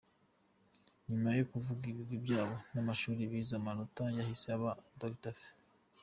Nyuma yo kuvuga ibigwi byabo n’amashuri bize, amatora yahise aba, Dr F.